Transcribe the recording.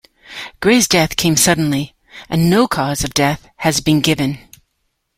Gray's death came suddenly and no cause of death has been given.